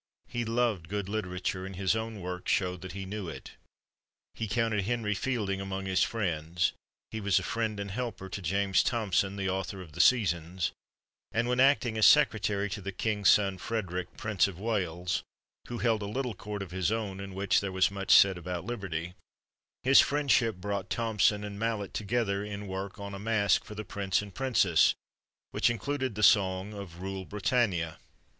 He loved good literature, and his own works show that he knew it. He counted Henry Fielding among his friends; he was a friend and helper to James Thomson, the author of "The Seasons;" and when acting as secretary to the king's son, Frederick, Prince of Wales (who held a little court of his own, in which there was much said about liberty), his friendship brought Thomson and Mallet together in work on a masque for the Prince and Princess, which included the song of "Rule Britannia."